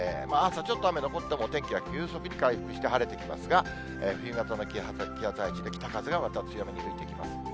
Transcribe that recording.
朝、ちょっと雨残っても、お天気は急速に回復して晴れてきますが、冬型の気圧配置で、北風がまた強めに吹いてきます。